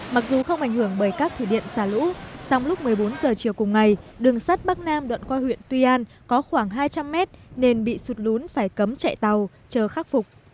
mặc dù không ảnh hưởng bởi các thủy điện xả lũ song lúc một mươi bốn giờ chiều cùng ngày đường sắt bắc nam đoạn qua huyện tuy an có khoảng hai trăm linh mét nên bị sụt lún phải cấm chạy tàu chờ khắc phục